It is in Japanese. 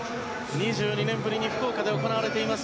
２２年ぶりに福岡で行われています